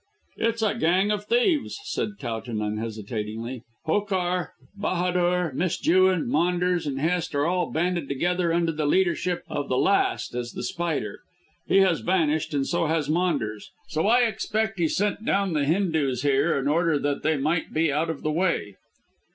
"It's a gang of thieves," said Towton unhesitatingly. "Hokar, Bahadur, Miss Jewin, Maunders, and Hest are all banded together under the leadership of the last as The Spider. He has vanished, and so has Maunders, so I expect he sent down the Hindoos here in order that they might be out of the way."